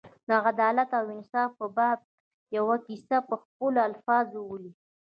د عدالت او انصاف په باب یوه کیسه په خپلو الفاظو ولیکي.